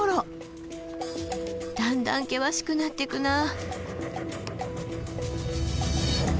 だんだん険しくなってくなぁ。